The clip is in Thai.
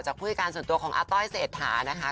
ผู้จัดการส่วนตัวของอาต้อยเศรษฐานะคะ